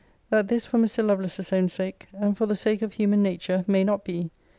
that this for Mr. Lovelace's own sake, and for the sake of human nature, may not be!